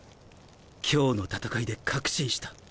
今日の戦いで確信した。